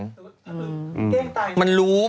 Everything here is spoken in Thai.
แค่แก้งตาย